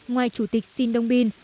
ngoài chủ tịch sin dongbin